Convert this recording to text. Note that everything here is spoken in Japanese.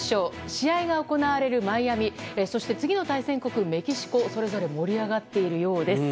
試合が行われるマイアミそして次の対戦国、メキシコそれぞれ盛り上がっているようです。